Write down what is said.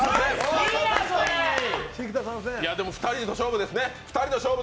でも２人の勝負ですね。